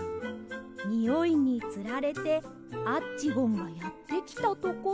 においにつられてアッチゴンがやってきたところで。